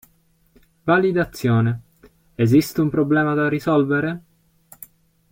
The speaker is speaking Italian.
Validazione: esiste un problema da risolvere?